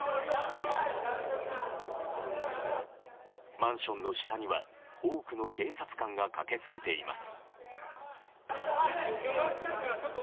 マンションの下には多くの警察官が駆け付けています。